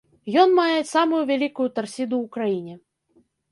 Ён мае самую вялікую тарсіду ў краіне.